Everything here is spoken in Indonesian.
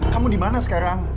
kamu dimana sekarang